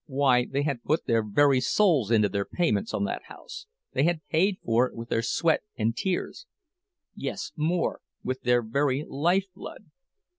Why, they had put their very souls into their payments on that house, they had paid for it with their sweat and tears—yes, more, with their very lifeblood.